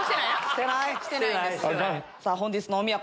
本日のおみや